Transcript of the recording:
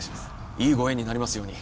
いいご縁になりますように